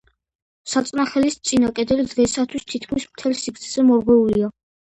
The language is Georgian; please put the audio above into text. საწნახელის წინა კედელი დღეისათვის თითქმის მთელ სიგრძეზე მორღვეულია.